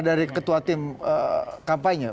dari ketua tim kampanye